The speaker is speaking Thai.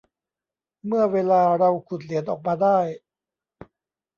เมื่อเวลาเราขุดเหรียญออกมาได้